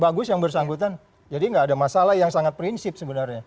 bagus yang bersangkutan jadi nggak ada masalah yang sangat prinsip sebenarnya